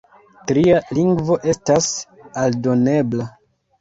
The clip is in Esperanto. Tria lingvo estas aldonebla.